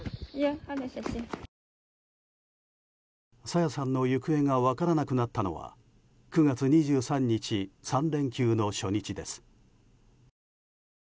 朝芽さんの行方が分からなくなったのは９月２３日、３連休の初日です。